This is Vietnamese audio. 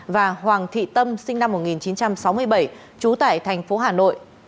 và hoàng thị tâm sinh năm một nghìn chín trăm sáu mươi bảy trú tại thành phố hà nội